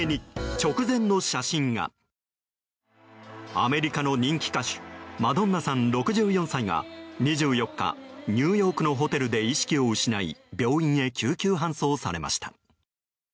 アメリカの人気歌手マドンナさんが、６４歳が２４日、ニューヨークのホテルで意識を失い病院へ救急搬送されました。